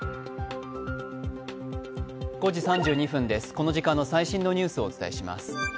この時間の最新のニュースをお伝えします。